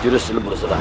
juru seluruh zerah